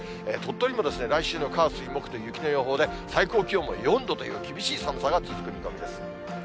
鳥取も来週の火、水、木と雪の予報で、最高気温も４度という厳しい寒さが続く見込みです。